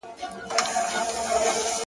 څه شڼهار د مرغلينو اوبو!